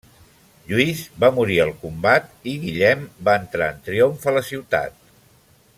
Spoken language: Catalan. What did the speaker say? Lluís va morir al combat i Guillem va entrar en triomf a la ciutat.